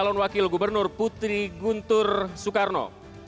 calon wakil gubernur putri guntur soekarno